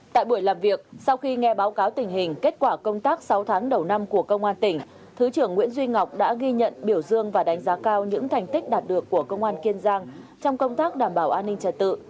tại buổi làm việc sau khi nghe báo cáo tình hình kết quả công tác sáu tháng đầu năm của công an tỉnh thứ trưởng nguyễn duy ngọc đã ghi nhận biểu dương và đánh giá cao những thành tích đạt được của công an kiên giang trong công tác đảm bảo an ninh trật tự